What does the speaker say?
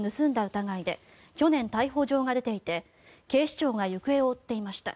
疑いで去年、逮捕状が出ていて警視庁が行方を追っていました。